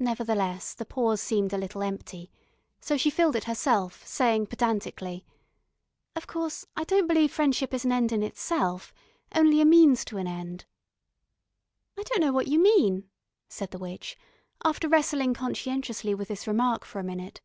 Nevertheless the pause seemed a little empty, so she filled it herself, saying pedantically: "Of course I don't believe friendship is an end in itself. Only a means to an end." "I don't know what you mean," said the witch, after wrestling conscientiously with this remark for a minute.